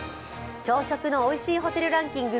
朝食のおいしいホテルランキング